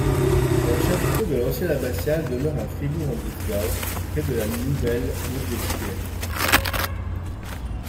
Un chapiteau de l'ancienne abbatiale demeure, à Fribourg-en-Brisgau, près de la nouvelle Ludwigskirche.